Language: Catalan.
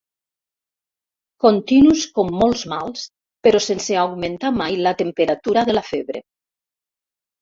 Continus com molts mals, però sense augmentar mai la temperatura de la febre.